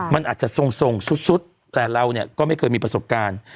มันอาจจะทรงสุดแต่เราเนี่ยก็ไม่เคยมีประสบการณ์